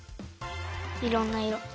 いろんないろ。